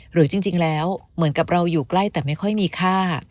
หรือจริงแล้วเหมือนกับเราอยู่ใกล้แต่ไม่ค่อยมีค่า